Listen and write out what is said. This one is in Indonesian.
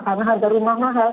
karena harga rumah mahal